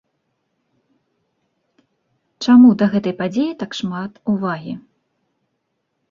Чаму да гэтай падзеі так шмат увагі?